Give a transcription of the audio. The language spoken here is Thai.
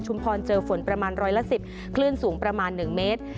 ชุมพลเจอฝนประมาณร้อยละสิบคลื่นสูงประมาณหนึ่งเมตร